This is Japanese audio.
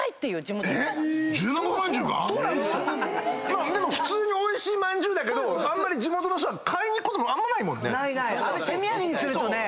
まあ普通においしいまんじゅうだけど地元の人は買いに行くことあんまないもんね。